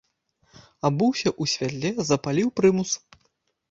Абуўся ў святле, запаліў прымус.